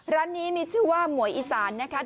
ร้านนี้มีชื่อว่าหมวยอีสานนะคะ